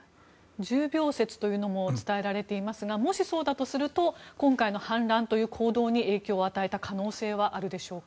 重病説というのも伝えられていますがもし、そうだとすると今回の反乱という行動に影響を与えた可能性はあるでしょうか？